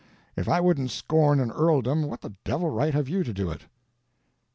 if I wouldn't scorn an earldom, what the devil right have you to do it!"